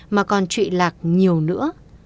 mà còn trụ lạc nhiều nữa